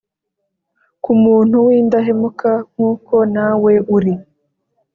Ku muntu w indahemuka nkuko nawe uri